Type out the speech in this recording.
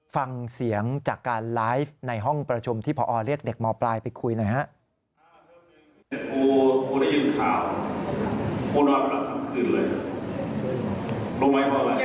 ฟังเสียงจากการไลฟ์ในห้องประชุมที่พอเรียกเด็กมปลายไปคุยหน่อยครับ